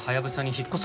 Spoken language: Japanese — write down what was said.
引っ越す。